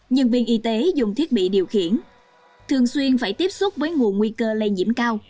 nhân viên y tế dùng thiết bị điều khiển thường xuyên phải tiếp xúc với nguồn nguy cơ lây nhiễm cao